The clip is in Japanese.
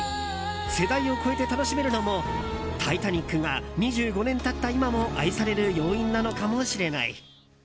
世代を超えて楽しめるのも「タイタニック」が２５年経った今も愛される要因なのかもしれない。